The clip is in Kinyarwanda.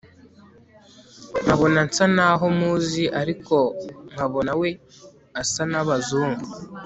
nkabona nsa naho muzi ariko nkabona we asa nabazungu